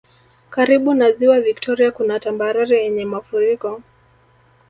Karibu na Ziwa viktoria kuna tambarare yenye mafuriko